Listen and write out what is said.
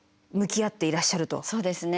そうですね。